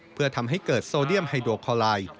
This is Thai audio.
เพื่อทำให้เกิดโซเดียมไฮโดคอลาย